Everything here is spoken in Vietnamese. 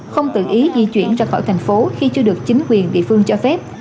không tự ý di chuyển ra khỏi thành phố khi chưa được chính quyền địa phương cho phép